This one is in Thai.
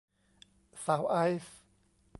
สาวไอซ์